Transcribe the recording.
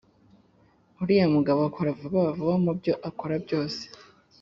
Uriya mugabo akora vuba vuba mubyo akora byose